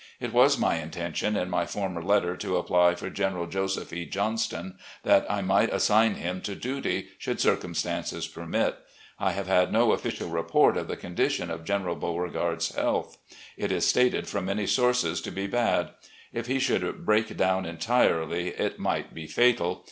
It was my intention in my former letter to apply for General Joseph E. Johnston, that I might assign him to duty, should circumstances permit. I have had no official report of the condition of General Beauregard's health. It is stated from many sources to be bad. If he should break down entirely, it might be fatal.